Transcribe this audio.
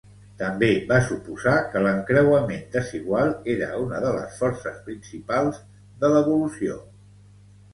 També va suposar que l'encreuament desigual era una de les forces principals de l'evolució.